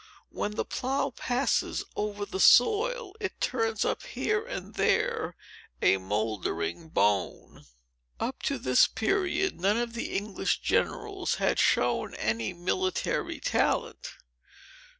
When the plough passes over the soil, it turns up here and there a mouldering bone. Up to this period, none of the English generals had shown any military talent.